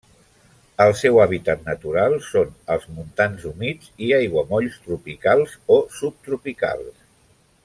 El seu hàbitat natural són els montans humits i aiguamolls tropicals o subtropicals.